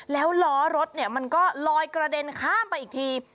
แล้วล้อรถมันก็ลอยกระเด็นข้ามไปอีกที